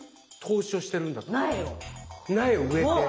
苗を植えて。